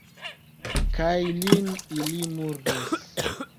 Kaj lin ili murdos!